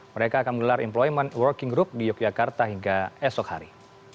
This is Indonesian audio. mereka akan menggelar employment working group di yogyakarta hingga esok hari